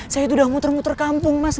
saya itu udah muter muter kampung mas